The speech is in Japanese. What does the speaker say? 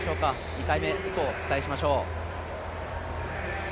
２回目以降、期待しましょう。